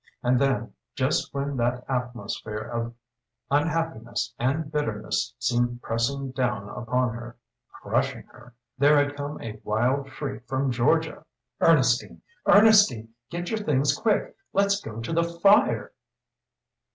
And then, just when that atmosphere of unhappiness and bitterness seemed pressing down upon her crushing her there had come a wild shriek from Georgia "Ernestine Ernestine get your things quick let's go to the fire!"